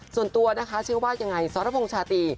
ส่วนตัวนะคะเชื่อว่ายังไงสรพงษ์ชาตรี